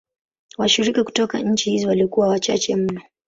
Washiriki kutoka nchi hizi walikuwa wachache mno.